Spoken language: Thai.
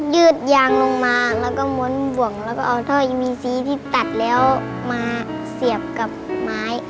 ยืดยางลงมาแล้วก็ม้นบ่วงแล้วก็เอาถ้อยมีซีที่ตัดแล้วมาเสียบกับไม้